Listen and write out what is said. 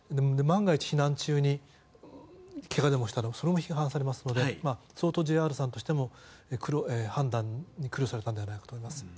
万が一避難中にけがでもしたらそれも批判されますので相当ＪＲさんとしても判断に苦労されたのではないかと思います。